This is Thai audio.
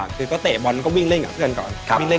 คือก็เตะบอลก็วิ่งเล่นกับเพื่อนก่อน